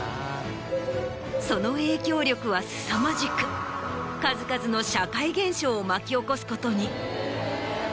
その影響力はすさまじく数々の社会現象を巻き起こすことに。